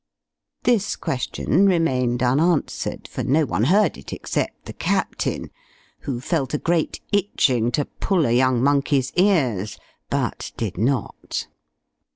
This question remained unanswered; for no one heard it except the Captain, who felt a great itching to pull a young monkey's ears, but did not.